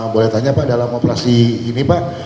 boleh tanya pak dalam operasi ini pak